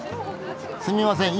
すみません。